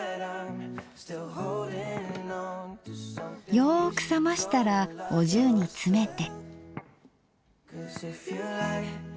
よく冷ましたらお重に詰めて。